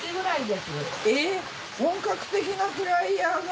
えっ本格的なフライヤーが。